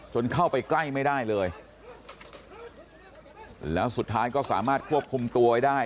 เข้าไปใกล้ไม่ได้เลยแล้วสุดท้ายก็สามารถควบคุมตัวไว้ได้